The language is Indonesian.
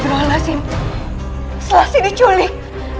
jadi apa pelangu tersebut